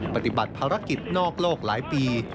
ปฏิบัติภารกิจนอกโลกหลายปี